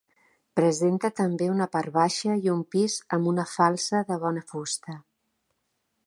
Presenta també una part baixa i un pis amb una falsa de bona fusta.